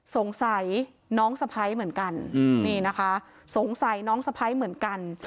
สงสัยน้องสะพ้ายเหมือนกันนี่นะคะสงสัยน้องสะพ้ายเหมือนกัน